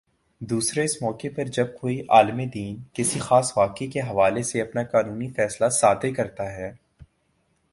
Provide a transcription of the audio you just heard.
دوسرے اس موقع پر جب کوئی عالمِ دین کسی خاص واقعے کے حوالے سے اپنا قانونی فیصلہ صادر کرتا ہے